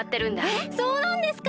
えっそうなんですか？